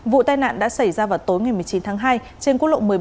vụ tai nạn đã xảy ra vào tối một mươi chín tháng hai trên quốc lộ một mươi bốn